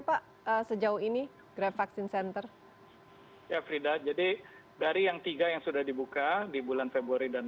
pak sejauh ini grab vaksin center ya frida jadi dari yang tiga yang sudah dibuka di bulan februari dan